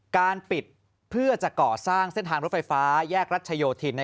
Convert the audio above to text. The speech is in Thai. การปิดเพื่อจะก่อสร้างเส้นทางรถไฟฟ้าแยกรัชโยธิน